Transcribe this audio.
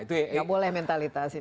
tidak boleh mentalitas ini